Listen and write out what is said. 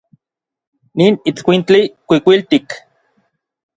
Nin itskuintli kuikuiltik.